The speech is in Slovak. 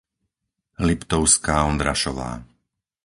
Liptovská Ondrašová